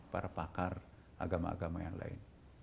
para pakar agama agama yang lain